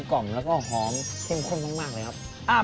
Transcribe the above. กล่อมแล้วก็หอมเข้มข้นมากเลยครับ